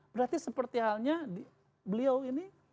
berarti seperti halnya beliau ini